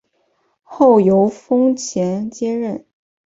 后由翁楷接任。